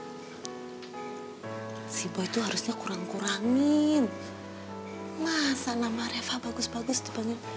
pak si boy itu harusnya kurang kurangin masa nama reva bagus bagus tuh panggil